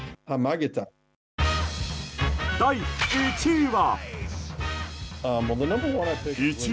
第１位は。